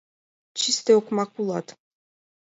Чисте окмак улат!